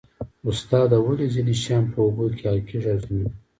استاده ولې ځینې شیان په اوبو کې حل کیږي او ځینې نه